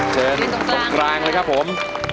เชิญตรงกลางเลยครับผม